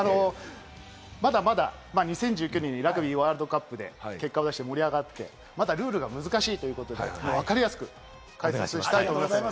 まだまだ、２０１９年はラグビーワールドカップで結果を出して盛り上がって、まだルールが難しいということで、わかりやすく解説したいと思います。